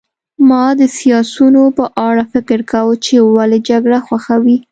ما د سیاسیونو په اړه فکر کاوه چې ولې جګړه خوښوي